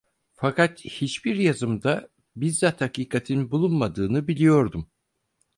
Fakat hiçbir yazımda bizzat hakikatin bulunmadığını biliyordum.